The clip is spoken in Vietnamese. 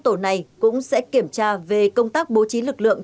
tổ này cũng sẽ kiểm tra về công tác bố trí lực lượng